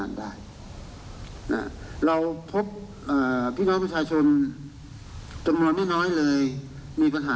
และกรุณสถานการณ์ด้วยดลองเรียบร้อยกลัว